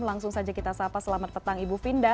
langsung saja kita sapa selamat petang ibu vinda